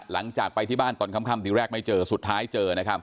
หลังจากไปที่บ้านตอนค่ำทีแรกไม่เจอสุดท้ายเจอนะครับ